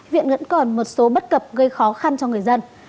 viện vẫn còn một số bất cập gây khó khăn cho người dân